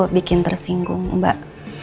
bikin tersinggung mbak